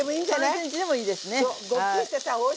３ｃｍでもいいですね。